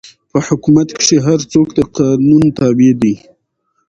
په حکومت کښي هر څوک د قانون تابع دئ.